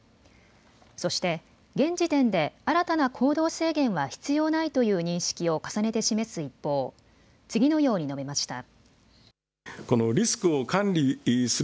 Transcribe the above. そして現時点で新たな行動制限は必要ないという認識を重ねて示す一方、次のように述べました。